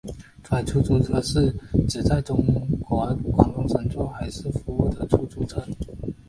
珠海出租车是指在中国广东省珠海市服务的出租车。